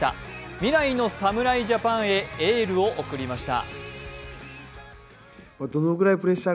未来の侍ジャパンへエールを送りました。